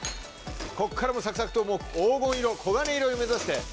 こっからもうサクサクと黄金色黄金色を目指して。